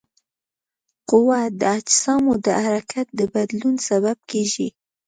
قوه د اجسامو د حرکت د بدلون سبب کیږي.